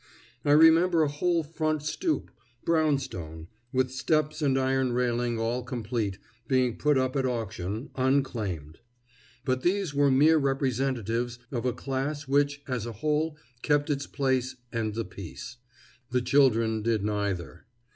I remember a whole front stoop, brownstone, with steps and iron railing all complete, being put up at auction, unclaimed. But these were mere representatives of a class which as a whole kept its place and the peace. The children did neither.